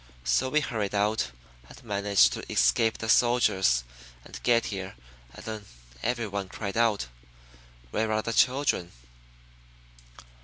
So we hurried out, and managed to escape the soldiers, and get here and then everyone cried out, 'Where are the children?'"